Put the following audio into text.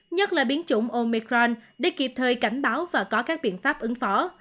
nhất là biến chủng omicron để kịp thời cảnh báo và có các biện pháp ứng phó